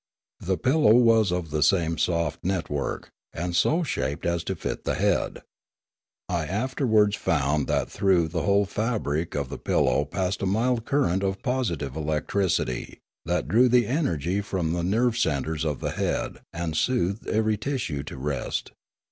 The pillow was of the same soft network, and so shaped as to fit the head. I afterwards found that through the whole fabric of the pillow passed a mild current of positive electricity, that drew the energy from the nerve centres of the head, and soothed every tissue to rest.